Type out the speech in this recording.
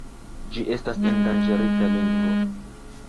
Ĝi estas endanĝerita lingvo.